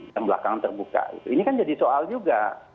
yang belakang terbuka ini kan jadi soal juga